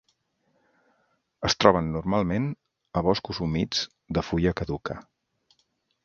Es troben normalment a boscos humits de fulla caduca.